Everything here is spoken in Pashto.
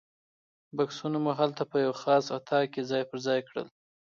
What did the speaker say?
بکسونه مو هلته په یوه خاص اتاق کې ځای پر ځای کړل.